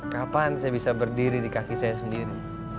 kapan saya bisa berdiri di kaki saya sendiri